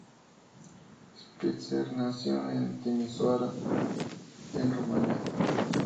Spitzer nació en Timișoara en Rumania.